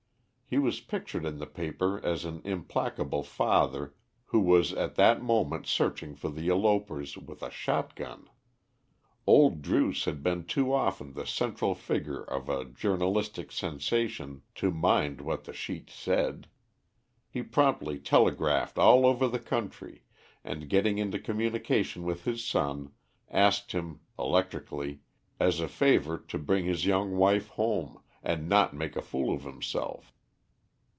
He was pictured in the paper as an implacable father who was at that moment searching for the elopers with a shot gun. Old Druce had been too often the central figure of a journalistic sensation to mind what the sheet said. He promptly telegraphed all over the country, and, getting into communication with his son, asked him (electrically) as a favour to bring his young wife home, and not make a fool of himself.